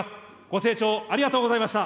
ご清聴ありがとうございました。